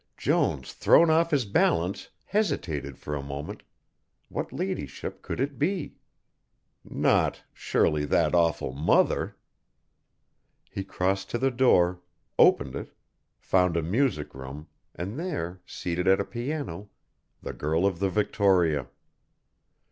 Jones thrown off his balance hesitated for a moment, what ladyship could it be. Not, surely, that awful mother! He crossed to the door, opened it, found a music room, and there, seated at a piano, the girl of the Victoria.